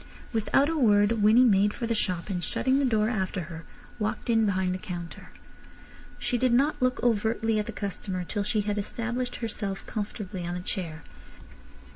Without a word Winnie made for the shop, and shutting the door after her, walked in behind the counter. She did not look overtly at the customer till she had established herself comfortably on the chair.